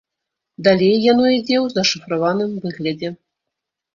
Далей яно ідзе ў зашыфраваным выглядзе.